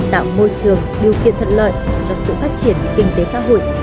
tạo môi trường điều kiện thuận lợi cho sự phát triển kinh tế xã hội